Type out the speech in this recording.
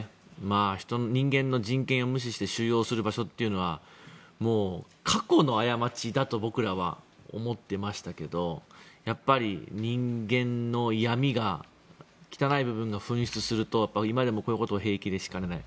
人間の人権を無視して収容する場所というのはもう過去の過ちだと僕らは思ってましたけどやっぱり人間の闇が、汚い部分が噴出すると今でのこういうことを平気でしかねない。